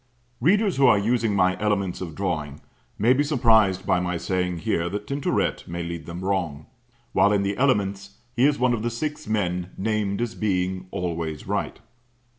Readers who are using my Elements of Drawing may be surprised by my saying here that Tintoret may lead them wrong; while in the Elements he is one of the six men named as being "always right."